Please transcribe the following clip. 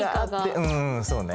うんうんそうね。